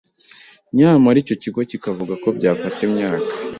Nyamara icyo kigo kikavuga ko byafata imyaka